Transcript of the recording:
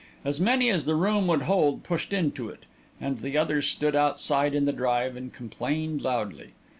As many as the room would hold pushed into it, and the others stood outside in the drive and complained loudly.